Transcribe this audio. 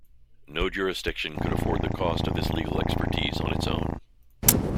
No jurisdiction could afford the cost of this legal expertise on its own.